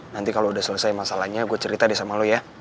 nanti kalau udah selesai masalahnya gue cerita deh sama lo ya